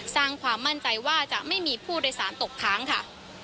สร้างความมั่นใจว่าจะไม่มีผู้โดยสารตกค้างค่ะ